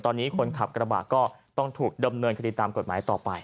ตอนนี้คนขับกระบะก็ต้องถูกดำเนินคดีตามกฎหมายต่อไป